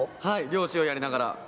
はい漁師をやりながら。